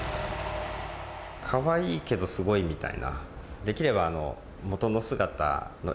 かわいいけどすごいみたいな。